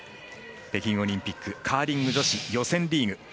北京オリンピックカーリング女子予選リーグ。